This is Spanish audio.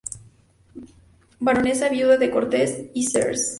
Baronesa viuda de Cortes y Sres.